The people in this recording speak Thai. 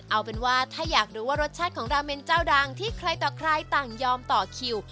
เอาเป็นว่าถ้าอยากรู้ว่ารสชาติของราเมนเจ้าดังที่ใครต่อใครต่างยอมต่อคิว